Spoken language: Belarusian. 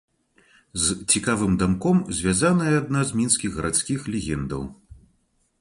З цікавым дамком звязаная адна з мінскіх гарадскіх легендаў.